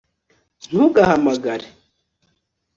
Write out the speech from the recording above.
Ntugahamagare